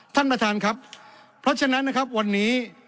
ท่านประธานครับเพราะฉะนั้นนะครับวันนี้